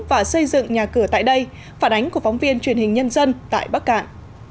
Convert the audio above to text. và xây dựng nhà cửa tại đây phản ánh của phóng viên truyền hình nhân dân tại bắc cạn